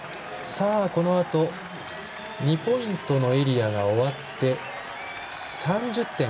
このあと２ポイントのエリアが終わって３０点。